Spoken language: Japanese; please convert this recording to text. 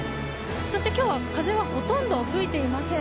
今日は風はほとんど吹いていません。